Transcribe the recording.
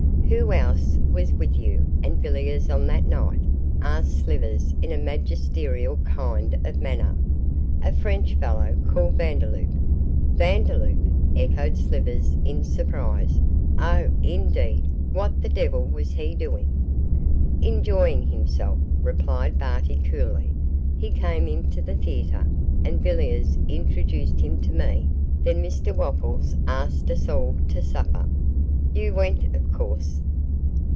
'Who else was with you and Villiers on that night?' asked Slivers in a magisterial kind of manner. 'A French fellow called Vandeloup.' 'Vandeloup!' echoed Slivers in surprise; 'oh, indeed! what the devil was he doing?' 'Enjoying himself,' replied Barty, coolly; 'he came into the theatre and Villiers introduced him to me; then Mr Wopples asked us all to supper.' 'You went, of course?